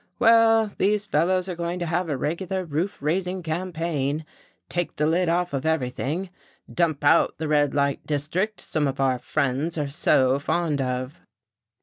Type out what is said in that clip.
Well, these fellows are going to have a regular roof raising campaign, take the lid off of everything, dump out the red light district some of our friends are so fond of."